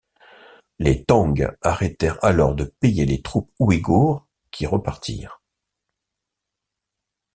Les Tang arrêtèrent alors de payer les troupes ouïghours, qui repartirent.